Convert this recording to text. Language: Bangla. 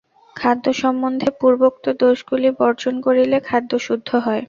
খাদ্য সম্বন্ধে পূর্বোক্ত দোষগুলি বর্জন করিলে খাদ্য শুদ্ধ হয়।